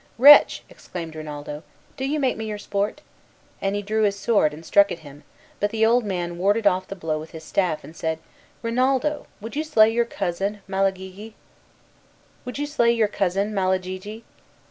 "Wretch!" exclaimed Rinaldo, "do you make me your sport?" and he drew his sword, and struck at him; but the old man warded off the blow with his staff, and said, "Rinaldo, would you slay your cousin, Malagigi?"